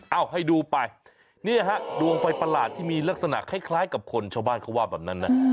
เอาให้ดูไปเนี่ยฮะดวงไฟประหลาดที่มีลักษณะคล้ายกับคนชาวบ้านเขาว่าแบบนั้นนะ